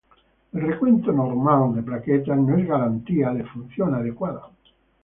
El recuento normal de plaquetas no es garantía de función adecuada.